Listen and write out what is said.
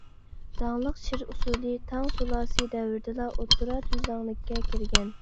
داڭلىق «شىر ئۇسسۇلى» تاڭ سۇلالىسى دەۋرىدىلا ئوتتۇرا تۈزلەڭلىككە كىرگەن.